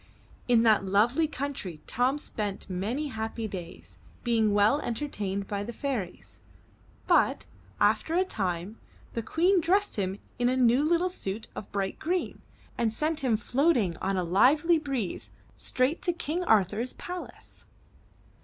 In that lovely country Tom spent many happy days, being well entertained by the fairies, but, after a time, the Queen dressed him in a new little suit of 266 UP ONE PAIR OF STAIRS bright green, and sent him floating on a lively breeze straight to King Arthur's palace.